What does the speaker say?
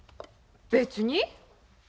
別に。